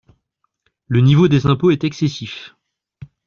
Le niveau des impôts est excessif.